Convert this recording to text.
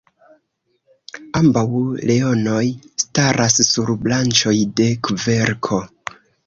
Ambaŭ leonoj staras sur branĉoj de kverko.